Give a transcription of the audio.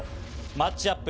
マッチアップ